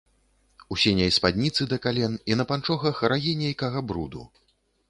У сіняй спадніцы да кален, і на панчохах рагі нейкага бруду.